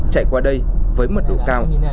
chạy qua đây với mật độ cao